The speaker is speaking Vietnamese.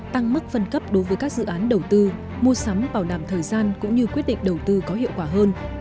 tăng mức phân cấp đối với các dự án đầu tư mua sắm bảo đảm thời gian cũng như quyết định đầu tư có hiệu quả hơn